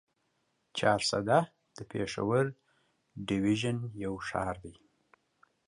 چارسده د پېښور ډويژن يو ښار دی.